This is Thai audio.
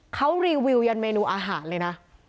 เขารีวิวยันเมนูอาหารเลยนะ